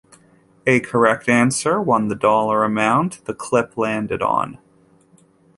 A correct answer won the dollar amount the chip landed on.